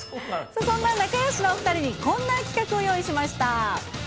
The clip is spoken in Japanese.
そんな仲よしのお２人に、こんな企画を用意しました。